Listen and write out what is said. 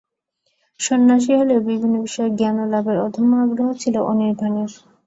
সন্ন্যাসী হলেও বিভিন্ন বিষয়ে জ্ঞানলাভের অদম্য আগ্রহ ছিল অনির্বাণের।